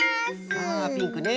ああピンクね。